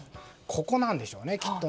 ここなんでしょうね、きっと。